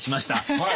はい。